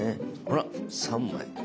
ほら３枚。